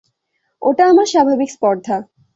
ওটা আমার স্বাভাবিক স্পর্ধা।